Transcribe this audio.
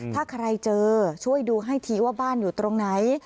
ถ้าใครเจอช่วยดูให้ทีว่าบ้านอยู่ตรงไหน